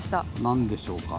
何でしょうか。